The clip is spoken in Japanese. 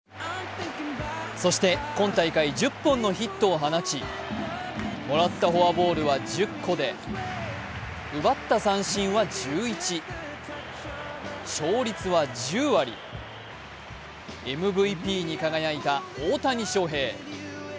今大会１０本のヒットを放ちもらったフォアボールは１０個で奪った三振は１１、勝率は１０割、ＭＶＰに輝いた大谷翔平。